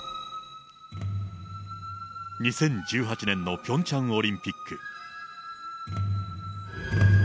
２０１８年のピョンチャンオリンピック。